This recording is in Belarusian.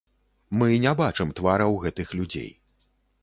Мы не бачым твараў гэтых людзей.